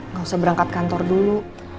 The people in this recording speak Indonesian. nggak usah berangkat kantor dulu